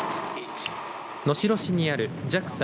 能代市にあるＪＡＸＡ